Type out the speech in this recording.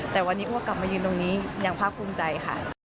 แต่วันนี้อ้วกกลับมายืนตรงนี้ยังภาคภูมิใจค่ะ